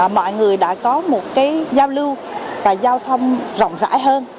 mọi người đã có một cái giao lưu và giao thông rộng rãi hơn